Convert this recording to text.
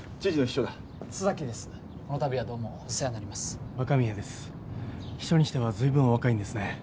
秘書にしてはずいぶんお若いんですね。